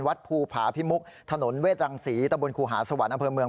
วัดภูผาพิมุกถนนเวทรังศรีตะบนครูหาสวรรค์อำเภอเมือง